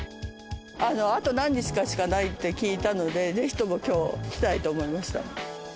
あと何日かしかないって聞いたので、ぜひともきょう来たいと思いました。